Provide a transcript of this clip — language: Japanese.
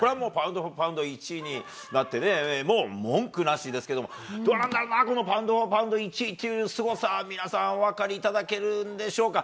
これはパウンド・フォー・パウンド１位になって文句なしですけど、パウンド・フォー・パウンド１位っていうすごさ、皆さんお分かりいただけるんでしょうか？